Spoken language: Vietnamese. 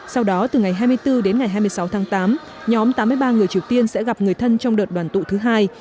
sau đó từ ngày hai mươi bốn đến ngày hai mươi sáu tháng tám nhóm tám mươi ba người triều tiên sẽ gặp người thân trong đợt đoàn tụ thứ hai